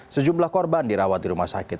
sejumlah korban dirawat di rumah sakit